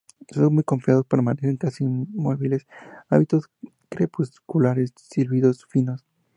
Son muy confiados, permanecen casi inmóviles, hábitos crepusculares, silbidos finos.